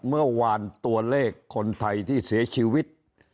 เมื่อวานตัวเลขคนไทยที่เสียชีวิต